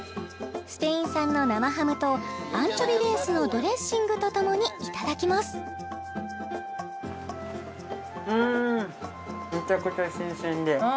スペイン産の生ハムとアンチョビベースのドレッシングとともにいただきますうん！